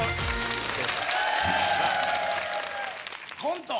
コント